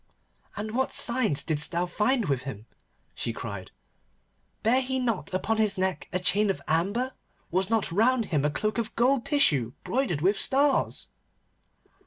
'And what signs didst thou find with him?' she cried. 'Bare he not upon his neck a chain of amber? Was not round him a cloak of gold tissue broidered with stars?